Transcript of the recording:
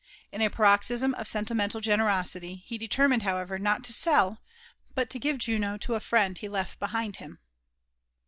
la •paMBysmoSsentimentai generosky, be determined^, however, not to sell, but to give Juno to a friend he left behind him.